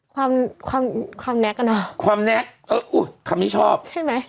ความความความในกันเนอะความเออฮุคำที่ชอบใช่ไหม